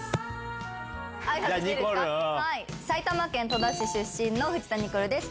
戸田市出身の藤田ニコルです。